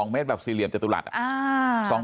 ๒เมตรแบบสี่เหลี่ยมจริง